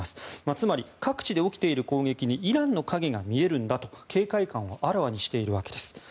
つまり、各地で起きている攻撃にイランの影が見えるんだと警戒感をあらわにしているわけです。